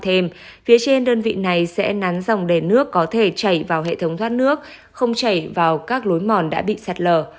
thêm phía trên đơn vị này sẽ nắn dòng đẻ nước có thể chảy vào hệ thống thoát nước không chảy vào các lối mòn đã bị sạt lở